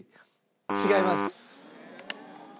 違います。